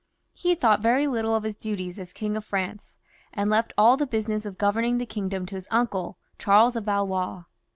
Bfe thought very little of his duties as King of France, and left all the business of governing the kingdom to his uncle, Charles of Valois.